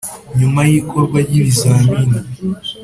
nyuma y’ikorwa ryi bizamini,